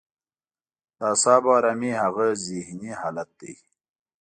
د اعصابو ارامي هغه ذهني حالت دی.